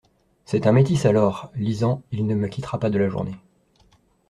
C’est un métis alors ! lisant « il ne me quittera pas de la journée.